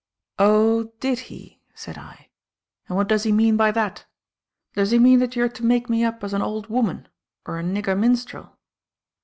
"Oh, did he," said I. "And what does he mean by that? Does he mean that you are to make me up as an old woman or a nigger minstrel?"